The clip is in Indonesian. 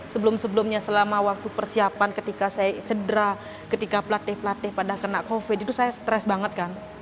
sebelum sebelumnya selama waktu persiapan ketika saya cedera ketika pelatih pelatih pada kena covid itu saya stres banget kan